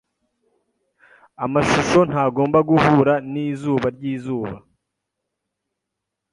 Amashusho ntagomba guhura nizuba ryizuba.